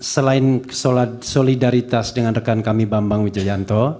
selain solidaritas dengan rekan kami bambang wijoyanto